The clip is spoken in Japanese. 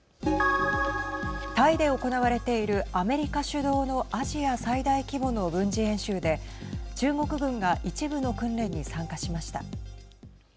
タイで行われているアメリカ主導のアジア最大規模の軍事演習で中国軍が一部の訓練に参加しました。